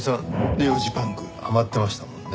ネオ・ジパングハマってましたもんね。